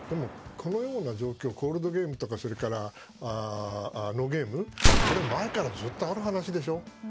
このような状況コールドゲームとかそれからノーゲームこれはずっと前からある話でしょう。